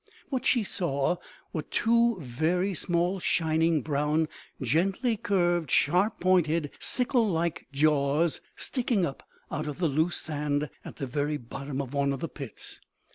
What she saw were two very small shining, brown, gently curved, sharp pointed, sickle like jaws sticking up out of the loose sand in the very bottom of one of the pits.